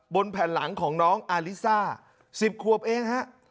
แผ่นหลังของน้องอาลิซ่า๑๐ขวบเองฮะ